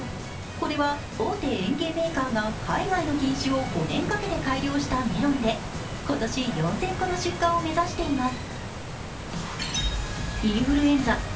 これは大手園芸メーカーが海外の品種を５年かけて改良したメロンで今年４０００個の出荷を目指しています。